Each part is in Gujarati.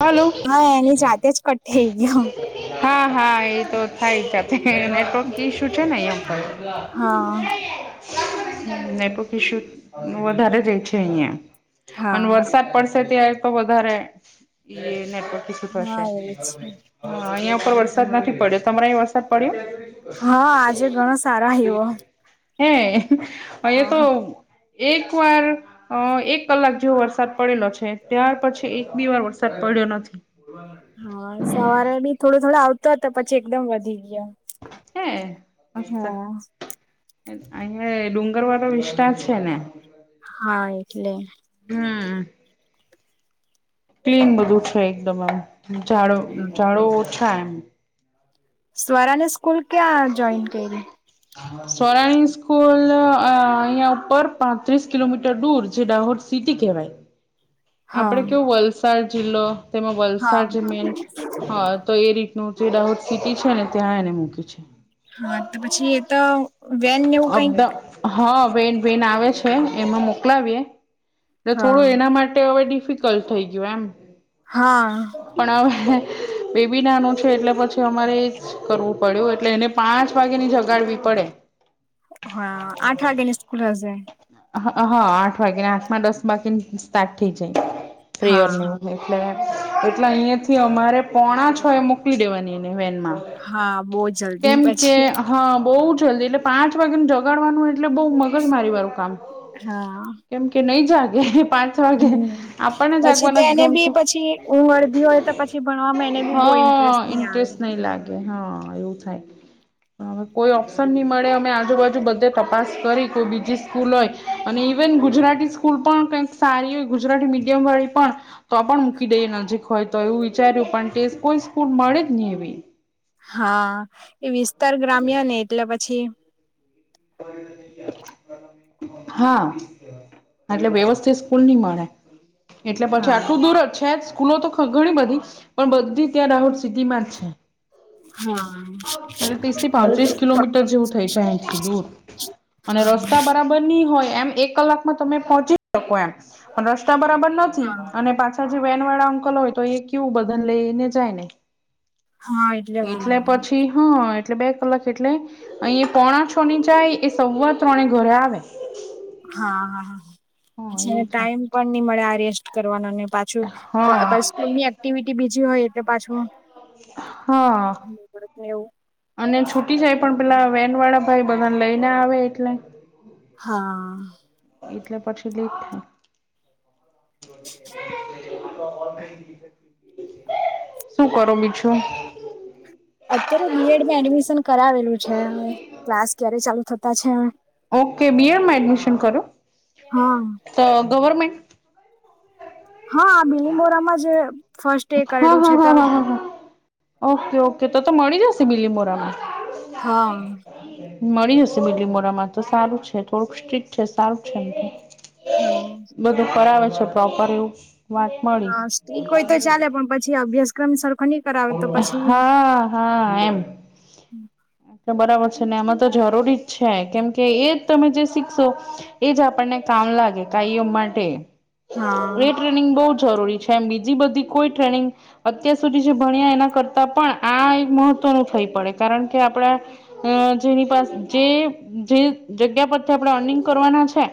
હલો હા એની જાતે જ કટ થઈ ગયો. હા હા એ તો થાય જ નેટવર્ક ઈશુ છે ને અયા. વા હા. [unintelligible] નેટવર્ક ઇસ્યૂ વધારે રેય છે અહિયાં. અને હા. વરસાદ પડશે ત્યાં તો વધારે. નેટવર્ક ઇસ્યૂ થશે, હા એવું છે અહિયાં ઉપર વરસાદ નથી પડ્યો, તમારે અહી વરસાદ પડ્યો? હા આજે ઘણા સારા આયવો. હે એ તો એક વાર એક કલાક જેવો વરસાદ પડેલો છે ત્યાર પછી એક બી વાર વરસાદ પડ્યો નથી. હા સવારે બી થોડો થોડો આવતો હતો પછી એકદમ વધી ગયો. હે મસ્ત. હા અહિયાં ડુંગર વાળો વિસ્તાર છે ને. હા એટલે. હમ ક્લીન બધું છે એકદમ આમ ઝાડો ઝાડો ઓછા એમ. સ્વરાની સ્કૂલ ક્યાં જોઈન કરી? સોરાણી સ્કૂલ અહિયાં ઉપર પાંત્રીસ કિલોમીટર દૂર જે દાહોદ સિટી કેવાય, હા આપડે કેવું વલસાડ જિલ્લો. તેમાં હા વલસાડ જે મેન હ તો એ રી ન જે દાહોત સીટી છે ને ત્યાં એને મૂકી છે. હા તો પછી એ તો વેન ને એવું કઈક અદા હા. ન બેન આવે છે એમાં મોકલાવીએ, એટલે હા થોડું એના માટે હવે ડિફિકલ્ટ થઈ ગયું એમ. હા પણ હવે બેબી નાનું છે એટલે પછી અમારે એ જ કરવું પડ્યું એટલે એને પાંચ વાગે ની જગાડવી પડે. પડે. હા આઠ વાગ્યા ની સ્કૂલ હશે. હા આઠ વાગ્યા ને આઠ માં દસ બાકીને સ્ટાર્ટ થઈ જાય ફિયર હા એટલે. એટલે અહિયાં થી અમારે પોણા છો એ મોકલી દેવાની હા બહુ [unintelligible] જલ્દી કેમ કે પછી હા બહ જ જલ્દી એટલે પાંચ વાગેનું જગાડવાનું એટલે બહુ મગજ મારીવારુકામ હા. [unintelligible] પાંચ વાગે હમ આપણને પછી જાગવા નથી તેને બી ગમતું પછી ઊંઘ અડધી હોય તો પછી ભણવામાં એને હ બી બહુ ઇન્ટરેસ્ટ હ નહી આવે. ઇન્ટન્ટરેસ્ટ નહીં લાગે હ હ એવું થાય હવે કોઈ ઓપ્શન નહી મળે અમે આજુબાજુ બધે તપાસ કરી કોઈ બીજી સ્કૂલ હોય અને ઇવન ગુજરાતી સ્કૂલ પણ કંઈક સારી હોય ગુજરાતી મીડિયમ વાળી પણ તો પણ મૂકી દઈએ નજીક હોય તો એવું વિચાર્યું પણ કોઈ તે સ્કૂલ મળી જ નહીં એવી હા એ વિસ્તાર ગ્રામ્ય ને એટલે પછી [unintelligible] હા એટલે વ્યવસ્થિત સ્કૂલ નય મળે એટલે પછી હા આટલું દૂર જ છે જ સ્કૂલો તો ઘણી બધી પણ બધી ત્યાં દાહોદ સિટીમાં જ છે. હા એ ત્રીસ થી પાંત્રીસ કિલોમીટર જેવું થઈ જાય દૂર અને રસ્તા બરાબર નહી હોય એમ એક કલાકમાં તમે પહોંચી શકો એમ પણ રસ્તા બરાબર નથી અને પાછ જે વેન વાળા અંકલ હોય તો એ કેવું બધાન લઈને જાય. હા વાર એટલે લાગે. પછી હ એટલે બે કલાક એટલે અહીં પોણા છોની જાય એ સવા ત્રણે ઘરે આવે. હા હા હા અચ્છા એને એવું ટાઈમ થાય પણ નય મળે આ રેસ્ટ કરવાનો ને પાછું હા સ્કૂલની એક્ટિવિટી બીજી હોય એટલે પાછું હા એવું અને છુટી જાય પણ પેલા વેનવાળા ભાઈ બધાને લઈને આવે એટલે હા. એટલે પછી લેટ થાય. [unintelligible] શું કરો બીજું? અત્યારે બીએડમાં એડમિશન કરાવેલું છે હવે ક્લાસ ક્યારે ચાલુ થતા છે. ઓકે બીએડમાં એડમિશન કરો હા. તો ગવર્મેન્ટ. હા બિલીમોરામાં જ ફર્સ્ટ એ હા કરેલું છે હા ત હા હા હા હા ઓકે ઓકે તો તો મળી જશે બીલીમોરામાં હા. મળી જશે બીલીમોરામાં તો સારું છે થોડુંક સ્ટ્રીક છે સારું છે એમ હા. બધું [unintelligible] મળી હા સ્ત્રી કોઈ તો ચાલે પણ પછી અભ્યાસક્રમ સર હા હા એમ તો બરાબર ને આમાં તો જરૂરી જ છે કેમ કે એજ તમે જે શીખશો એજ આપણને કામ લાગે કાયમ માટે. હા. એ ટ્રેનિંગ બોવ જરૂરી છે એમ બીજી બધી કોઈ ટ્રેનિંગ અત્યાર સુધી જે ભણ્યા એના કરતા પણ આ એક મહત્વનું થઈ પડે કારણ કે આપડા જેની પાસે જે જે જગ્યા પરથી આપડે અર્નિંગ કરવાના છે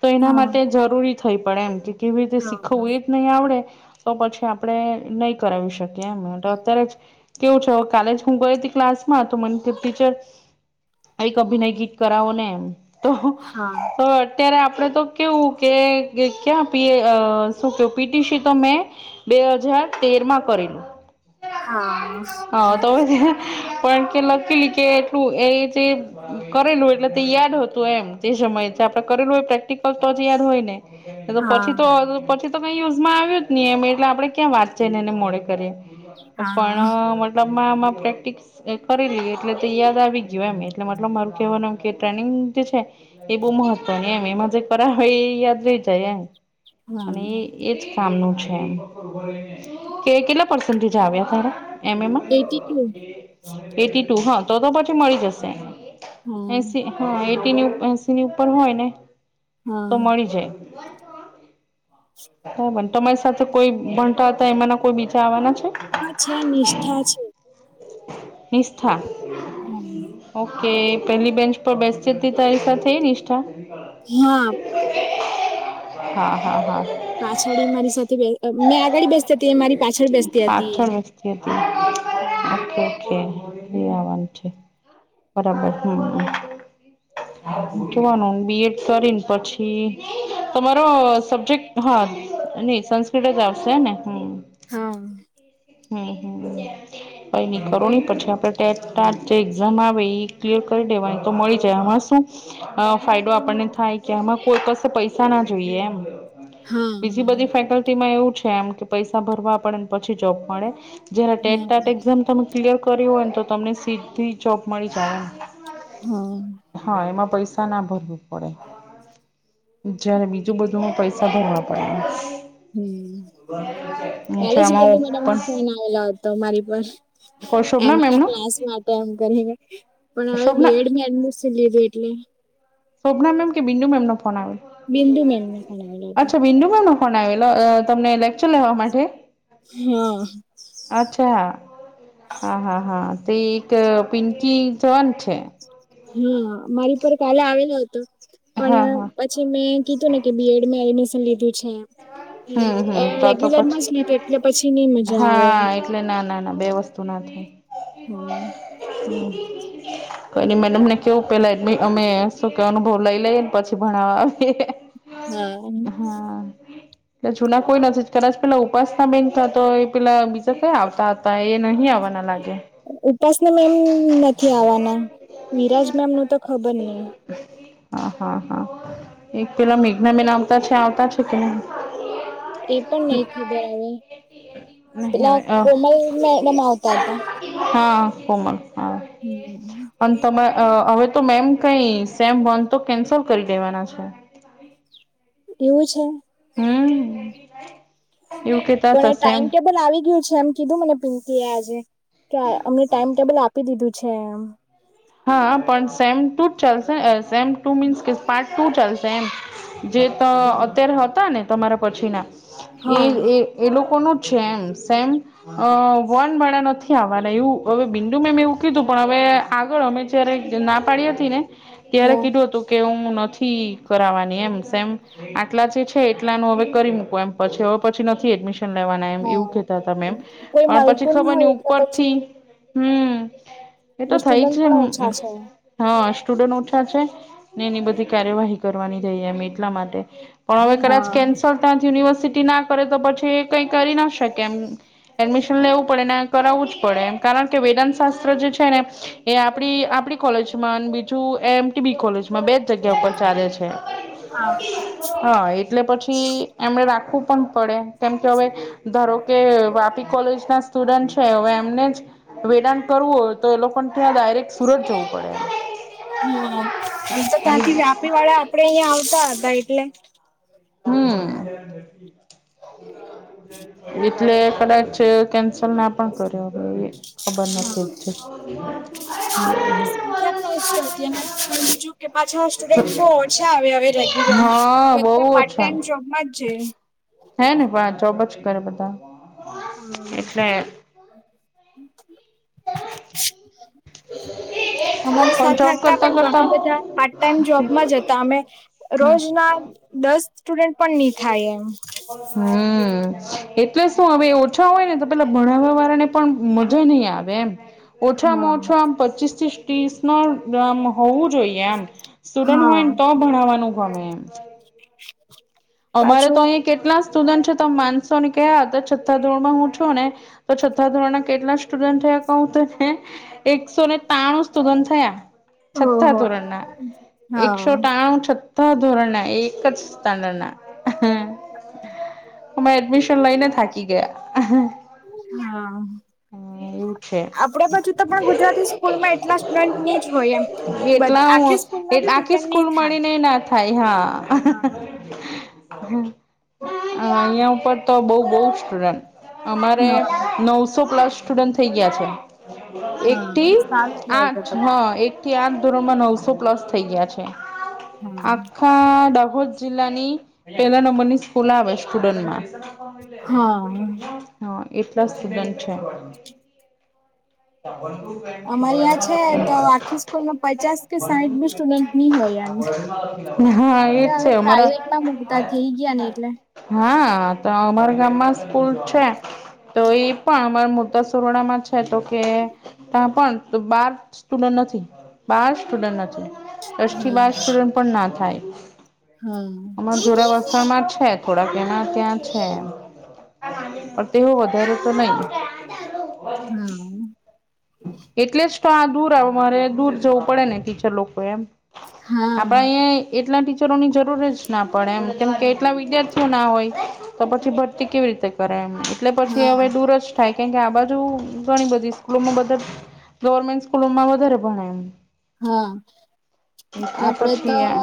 તો એના હા માટે જરૂરી થઈ પડે એમ કે કેવી રીતે શીખવું એ હા. જ નહી આવડે તો પછી આપડે નહી કરાવી શકીએ એમ અત્યારે જ કેવું છે કાલે જ હું ગઈ હતી ક્લાસ માં તો મને ટીચર એક અભિનય ગીત કરાવો ને એમ તો અત્યારે આપણે તો કેવું કે ક્યાં પીએ શું કેું પીટીસી તો મેં બે હજાર તેરમાં કરેલું. હા [unintelligible] હા તો પછી! પણ કે લકિલી કે, એટલું એ જે કરેલું, એટલે તે યાદ હતું એમ તે શમયે આપ કરેલું હોય પ્રેક્ટિકલ તો જ યાદ હોય ને નતો પછી હા. તો પછી તો કઈ યુઝમાં આવ્યું જ નહી, એમ એટલે આપડે ક્યાં વાંચીએ ને એને મોઢે કરીએ. પણ, હા. મતલબ માં માં પ્રેક્ટિકસ કરેલી એટલે તે યાદ આવી ગયુ એમ, એટલે મતલબ મારું કેવાનું એમ કે ટ્રેનિંગ છે એ બહુ મહત્વની, એમ, એમાં જે કરા હોય એ યાદ રહી જાય, એમ. અને એ એજ કામનું છે એમ. કે કેટલા પર્સેન્ટેજ આવ્યા તારા એમ એ માં? એટી ટુ એટી ટુ, હા, તો તો પછી મળી જસે. હા એસી હા, એ એસીની ઉપર હોય એને તો હા. મળી જાય. તોય પણ તમારી સાથે કોઈ ભણતાતા એમાંના કોઈ બીજા આવવાના છે? હ છે, નિષ્ઠા છે નિષ્ઠા? હમ. કે પેલી બેન્ચ પર બેસતી તારી સાથે એ નિષ્ઠા? હા [unintelligible] હા હા હા પાછડી મારી સાથે બે, મેં આગડી બેસતીતી મારી. પાછળ બેસતી પાચ હતી. છો વખતી હતી આો. એ, એ આવાનું છે [unintelligible] બરાબર હા. [unintelligible] કેવાનું બી એડ કરીને પછી, તમારો સબ્જેક્ટ, હા. હ અને સંસ્ક્રિટ જ આવસે ને? હમ. હા. હમ હમ. [unintelligible] કઈ ની કરોની પછી આપણે ટેટ ટાટ જે એક્ઝામ આવે એ, ક્લિયર કરી દેવાની તો મળી જાય. સું ફાયદો આપણને થાય કે એમાં કોઈ પાસે પૈસા ના જોઈએ એમ. હા બીજી બધી હા. ફેકલ્ટીમાં એવું છે, એમ કે પૈસા ભરવા પડે પછી જોબ મળે. જયારે ટેટ હા ટાટ એક્ઝામ તમે ક્લિયર કરી હોય ન,, તો તમને સીધ્ધી જોબ મળી જાય એમ. હા હા, એમાં પૈસ પૈસા ના ભરવું પડે જયારે બીજું બધું પૈસા ભરવા પડે. હમ. અ [unintelligible] કાલે જ મેડમને ફોન આવેલો હતો મારી પર. કોઈ એમ શોભના એ ના મેમનો ક્લાસ માટે એમ કરીને, પણ હવે શોભના બીએડમાં એડમી સન લીધુ એટલે. સોભના મેમ કે બિંદુ મેમનો ફોન આવ્યો? બિંદુ મેમને ફોન આવેલો હતો અચ્છા બિંદુ મેમનો? ફોન આવેલો, તમને લેક્ચર લેવા માટે. હા અચ્છા હા હા હા. તે એક પિંકી જન છે. હા, મારી પર કાલે આવેલો હતો. હા પણ હા પછી મેં કીધું ને કે બીએડ મે એડમિશન લીધું છે હમ હમ તો તો રેગ્યુલરમાં જ પછી લીધું એટલે પછી નઈ મજા આવે એ. તો ના થાય, [unintelligible] હમ. [inaudible] તો એની મેનમ ને કેવું, પેલા એ અમે સુ કે અનુભવ લઈ લઈએ ને પછી ભણાવવા આવીએ. હા. એ જૂના કોઈ નથી કદાચ પેલા ઉપાસના બેનતા તો એ પેલા બીજા કયા આવતાતા? નહીં આવવાના લાગે. ઉપાસના મેમ નથી આવવાના, વિરાજ મેમ નું તો ખબર નહી. હા હા હા એક પેલા મેઘનાબેન આવતા છે, આવતા છે કે ન. એ પણ નહી ખબર અવે. નહી પેલા હવે અ કોમલ મેડમ આવતા હતા. હા કોમલ હા હમ અને તમે હવે તો મેમ કઈ સેમ વંધ તો કેન્સલ કરી દેવાના છે. એવું છે. હમ. પણ ટાઈમ ટેબલ આવી ગયું છે એમ. કીધું મને પિંકી એ આજે, કે અમને ટાઈમટેબલ આપી દીધું છે એમ. હા પણ સેમ ટુ જ ચાલશે સેમ ટુ મીન્સ કે પાર્ટ ટુ ચાલશે એમ. જે હા અત્યારે હતા ને તમારા પછી ના, એ હા એ લોકો વનું ભણા નથી આવાના એ હવે બિંદુ મે મે એવું કીધું. પણ હવે આગળ અમે જયારે ના પાડી હતી ને, ત્યારે કીધું હતું કે હું નથી કરવાની એમે એમ આટલા જે છે એટલાનું હવે કરી મૂકો એમ પછી હવે પછી. નથી એડમિશન લેવાના એમ એવું હા કેતા હતા એમ, કોઈ પણ પછી મળતું ખબર ન હોય એટલે ઉપરથી પછી હમ એતો થાય જ. સ્ટુડન્ટ પણ છે ઓછા છે. હા સ્ટુડન્ટ ઓછા છે, ને એની બધી કાર્યવાહી કરવાની થઈ એમ એટલા માટે. પણ હવે કદાચ હા કેન્સલ ત્યાં યુનિવર્સિટી ના કરે તો પછી એ કઈ કરી ના શકે એમ. એડમિશન લેવું પડે ને કરાવવું જ પડે એમ કારણ કે વેદાંત શાસ્ત્ર જે છે ને. એ આપડી આપડી કોલેજમાં અને બીજું એ એમ ટી બી કોલેજમાં બે જ જગ્યા ઉપર ચાલે છે. હા હા હા એટલે પછી એમને રાખવું પણ પડે. કેમ કે અવે ધારો કે વાપી કોલેજ ના સ્ટુડન્ટ છે હવે એમને જ, વેદાન કરવું હોય તો એ લોકો રેક સુરત જવું પડે. હા અ તો એમ ત્યાંથી વ્યાપી વાળા આપડે અહિયાયા આવતા હતા એટલે. હમ. એટલે કદાચ કેન્સ તલના પણ કર્યો એવી ખબર નથી. સંખ્યા તો ઓછી હતી અને બીજું કે પાછા સ્ટુડન્ટ બઉ ઓછા આવે હવે રેગ્યુલર માં. હા બહુ જ. ટેમ જોબમાં જ હે ને પણ જોબ જ કરે બધા. હા. એટલે [inaudible] અમારી પણ સાથે જોબ હતા કરતા પણ કરતા ઘણા બધા પાર્ટ ટાઈમ જોબમાં જ હતા અમે, હમ રોજના દસ સ્ટુડન્ટ પણ નહી થાય એમ. હમ એટલે શું હવે ઓછા હોય ને તો પેલા ભણાવવા વાળા ને પણ મજા નહી આવે એમ. ઓછામાં હા. ઓછા આમ પચીસ ત્રીસ ત્રીસ એમ હોવું જોઈએ એમ, સ્ટુડન્ટ હા હોયને તો ભણવાનું ગમે એમ. અમારે તો પાછું અહીં કેટલા સ્ટુડન્ટ છે તો માનસો ને કયા હતા છટા ધોરણમાં હું છું ને તો છથા ધોરણના કેટલા સ્ટુડન્ટ છે. ક તો ને એકસો ને ત્રાણું સ્ટુડન્ટ થયા. છ્ઠા ઓહો ધોરણના, એકસો હા. ટાણું છ. ધોરણના એક જ સ્ટાર્ડર્ડ એ એડમિશન લઈને થાકી ગયા. હા એવું છે આપડે બધું તો પણ ગુજરાતી સ્કૂલમાં એટલા સ્ટુડન્ટ ની જ હોય એમ આ એ આખી સ્કૂલ મળીને ના થાય હા. હ અહિયા ઉપર તો બઉ બહ સ્ટુડન્ટ. અમારે હા નવસો પ્લસ સ્ટુડન્ટ થઈ ગયા છે. હા એકટી સારું કેવાય તો આઠ તો હા એકટી આઠ. તોરલમાં નવસો પ્લસ થઈ ગયા છે. હા. આખા દાહોદ જિલ્લાની પેલા નંબરની સ્કૂલ આવે સ્ટુડન્ટમાં. હા. હન. એટલા સ્ટુડન્ટ છે. અમારી આ છે તો આખી સ્કૂલમાં પચાસ કે સાહીઠ બી સ્ટુડન્ટ ની હોય એમ. [unintelligible] [inaudible] હા, એજ છે અમારા મુગતા થઈ ગયા ને એટલે. હા, તો અમાર ગામમાં સ્કૂલ છે તો ઈ પણ અમારા મોટા સુરવાડામાં છે. [unintelligible] તો કે ત્યાં પણ બાર સ્ટુડન્ટ નથી. બાર સ્ટુડન નથી. દસ થી હા બાર સ્ટુડન પણ ના થાય. હા. અ જોરા વસણમાં છે થોડાક એના ત્યાં છે. પડ તેવું વધારે તો નઈ. [inaudible] તો આ દૂર આવ મારે દૂર જવું પડે ને ટીચર લોકોએ એમ. આપડા હા અહીંયાય એટલા ટીચ ચરોની જરૂર જ ના પડે એમ. કેમ કે એટલા વિદ્યાર્થીઓ ના હોય, તો પછી ભરતી કેવી રીતે કરે એમ. એટલે હા પછી હવે દૂર જ થાય કેમ કે આ બાજુ ઘણી બધી સ્કૂલોમાં બધ ગવર્મેન્ટ સ્કૂલોમાં વધારે ભણાય એમ. હા. એટલે આપડે તો પછી આ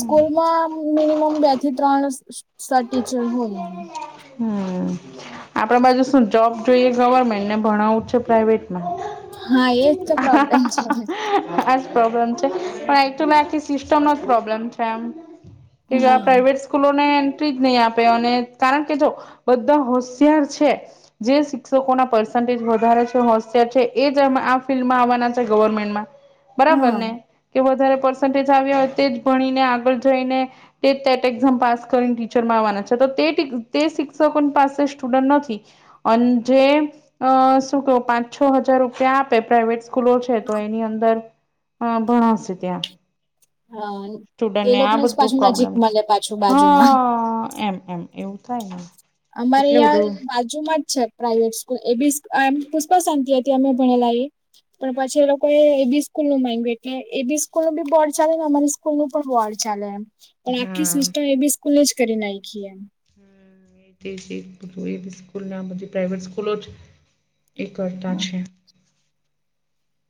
સ્કૂલમાં મિનિમમ બે થી ત્રણ સાત ટીચર હોય એમ. હમ, આપડા બાજુ શું જોબ જોઈએ ગવર્મેન્ટ ને ભણાવું છે પ્રાઇવેટ હા, એજ તો પ્રોબ્લેમ છે. આજ પ્રોબ્લેમ છે. પણ એક્ચ્યુલી આખી સિસ્ટમનો જ પ્રોબ્લેમ છે એમ. કે કે આ હા પ્રાઈવેટ સ્કૂલોને એન્ટ્રી જ નઈ આપે. અને કારણ કે જો બધા હોશિયાર છે, જે શિક્ષકોના પરસ માટે જ વધારે છે, હોશિયાર છે, એ જ મ આ ફિલ્ડમાં આવવાના છે ગવર્મેન્ટમાં. બરાબર હા ને કે વધારે પર્સન્ટેજ આવ્યા હોય, તે જ ભણીને આગળ જઈને તે ટેટ એક્ઝામ પાસ કરીન ટી ચૂરમાં આવાના છે. તો ટિક તે શિક્ષકોન પાસે સ્ટુડન્ટ નથી અન જે અ શું કેવું પાંચ છ હજાર રૂપિયા આપે પ્રાઇવેટ સ્કૂલો છે. તો એની અંદર હન, ભણાવશે ત્યાં. હા સ્ટુડનને એ આ લોકોને જ બધું પાછું નજીક પ્રોબ્લેમ છે. મળે પાછું બાજુમાં હન એમ એમ એવું થાયને. અમારે યા બાજુમાં જ છે. પ્રાઈવેટ સ્કૂલ એ બી સ્ક એમ પુષ્પા શાંતિ હતી અમે ભણેલા એ પણ, પછી એ લોકોએ એ બી સ્કૂલનું માંયગું એટલે એ બી સ્કૂલનું ભી બોર્ડ ચાલેને અમારી સ્કૂલનું પણ બોર્ડ ચાલે એમ. પણ આખી હા. સિસ્ટમ એ બી સ્કૂલે જ કરી નાયખી એમ. એજ એજ એજ પૂછું એ બી સ્કૂલના બધી પ્રાઈવેટ સ્કૂલો જ એ હા કરતાં છે.